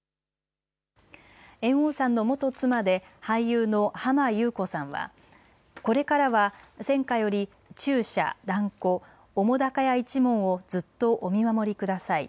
猿翁さんの元妻で俳優の浜木綿子さんはこれからは泉下より中車、團子、澤瀉屋一門をずっとお見守りください。